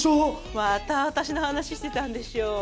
また私の話してたんでしょ。